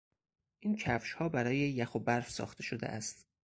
این کفشها برای یخ و برف ساخته شده است.